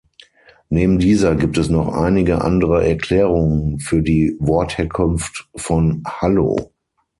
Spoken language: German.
Neben dieser gibt es noch einige andere Erklärungen für die Wortherkunft von „hallo“.